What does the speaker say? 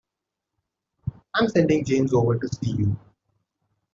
I'm sending James over to see you.